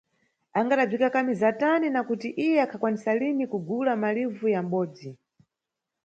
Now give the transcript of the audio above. Angadabzikakamiza tani, nakuti iye akhakwanisa lini kugula malivu ya mʼbodzi?